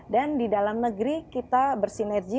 dan di dalam negeri kita bersinergi